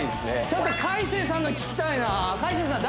ちょっと海青さんの聞きたいな海青さん